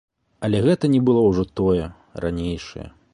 Але гэта не было ўжо тое, ранейшае.